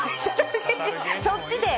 そっちで？